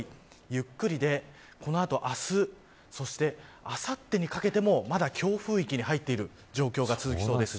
ゆっくりで、この後、明日あさってにかけても、まだ強風域に入っている状況が続きそうです。